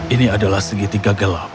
ini adalah segitiga gelap